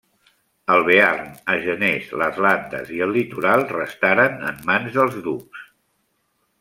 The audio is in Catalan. El Bearn, Agenès, Les Landes i el Litoral restaren en mans dels ducs.